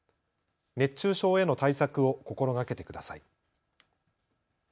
熱中症への対策を心がけてください。